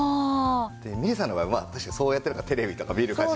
みれさんの場合確かにそうやってテレビとか見る感じ